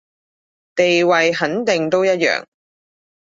地位肯定都一樣